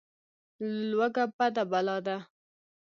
لوږه بده بلا ده.